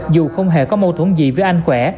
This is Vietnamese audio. dù không hề có mâu thuẫn gì với anh khỏe